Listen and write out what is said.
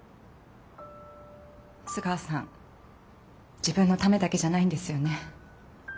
須川さん自分のためだけじゃないんですよね。